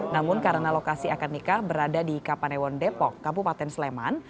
namun karena lokasi akad nikah berada di kapanewon depok kabupaten sleman